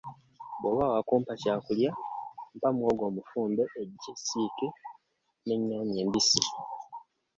Bw'oba wa kumpa kyakulya mpa muwogo omufumbe eggi essiike n'ennyaanya embisi.